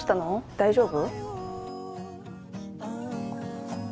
大丈夫？